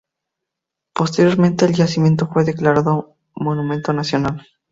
Posteriormente, el yacimiento fue declarado monumento nacional.